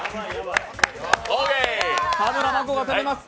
田村真子が攻めます。